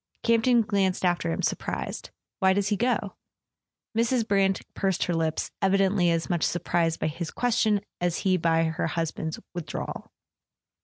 Campton glanced after him, surprised. "Why does he go?" Mrs. Brant pursed her lips, evidently as much sur¬ prised by his question as he by her husband's with¬ drawal.